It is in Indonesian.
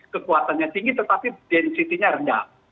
kekuatannya tinggi tetapi densitinya rendah